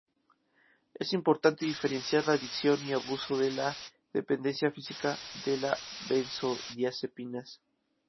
Es importante diferenciar la adicción y abuso de la dependencia física de la benzodiazepinas.